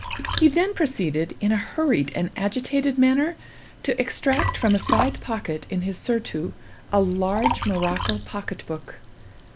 He then proceeded, in a hurried and agitated manner, to extract from a side pocket in his surtout a large morocco pocket book.